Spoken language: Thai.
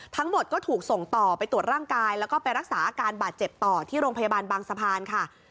ทั้งหมดก็ถูกส่งต่อไปตรวจร่างกายแล้วก็ไปรักษาอาการบาดเจ็บต่อที่โรงพยาบาลบางสะพานค่ะ